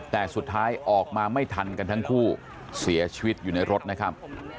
แต่สุดท้ายออกมาไม่ทันกันทั้งคู่เสียชีวิตอยู่ในรถนะครับ